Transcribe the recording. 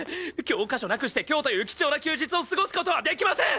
教科書なくして今日という貴重な休日を過ごす事はできません！